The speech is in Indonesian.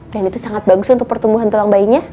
dan itu sangat bagus untuk pertumbuhan tulang bayinya